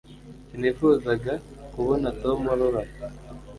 sinifuzaga kubona tom ababara